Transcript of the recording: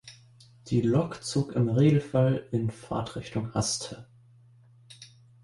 Die Lok zog im Regelfall in Fahrtrichtung Haste.